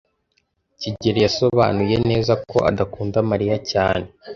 kigeli yasobanuye neza ko adakunda Mariya cyane.